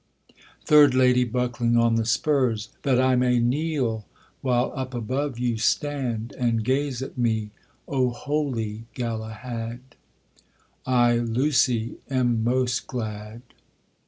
THIRD LADY, buckling on the spurs. That I may kneel while up above you stand, And gaze at me, O holy Galahad, I, Lucy, am most glad.